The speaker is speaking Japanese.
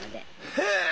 へえ！